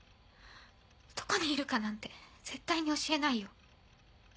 どこにいるかなんて絶対に教えないよ。